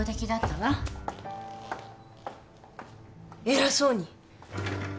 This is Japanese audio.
偉そうに。